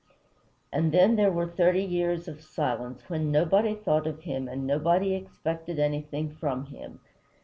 And then there were thirty years of silence, when nobody thought of him and nobody expected anything from him.